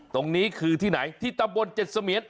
ตรงนี้คือที่ไหนที่ตำบลเจ็ดเสมียน